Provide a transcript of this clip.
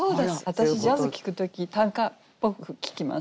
私ジャズ聴く時短歌っぽく聴きますね。